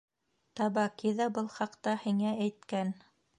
Табаки ҙа был хаҡта һиңә әйткән...